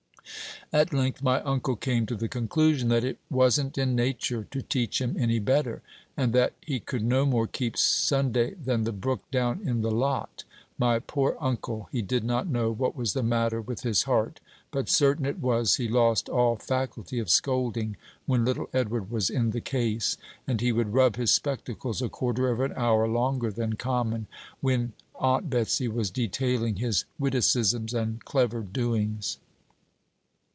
At length my uncle came to the conclusion that "it wasn't in natur' to teach him any better," and that "he could no more keep Sunday than the brook down in the lot." My poor uncle! he did not know what was the matter with his heart, but certain it was, he lost all faculty of scolding when little Edward was in the case, and he would rub his spectacles a quarter of an hour longer than common when Aunt Betsey was detailing his witticisms and clever doings.